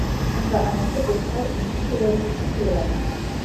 Ishinga Amategeko Imitwe yombi iteranye